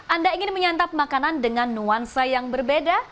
anda ingin menyantap makanan dengan nuansa yang berbeda